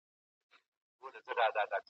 ایا کورني سوداګر شین ممیز پروسس کوي؟